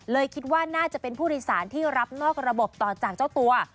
คิดว่าน่าจะเป็นผู้โดยสารที่รับนอกระบบต่อจากเจ้าตัว